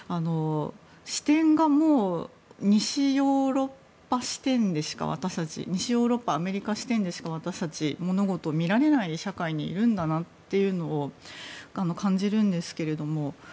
視点がもう西ヨーロッパアメリカ視点でしか私たちは物事を見られない社会にいるんだなというのを感じるんですけれども。